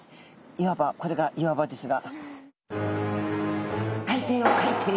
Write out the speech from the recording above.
いわばこれが岩場ですが。